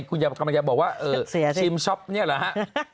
คุณกำลังจะบอกว่าชิมช็อปเนี่ยเหรอฮะ